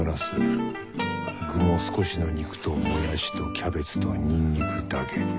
具も少しの肉ともやしとキャベツとにんにくだけ。